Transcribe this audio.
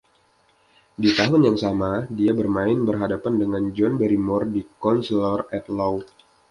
Di tahun yang sama dia bermain berhadapan dengan John Barrymore di “Counsellor at Law”.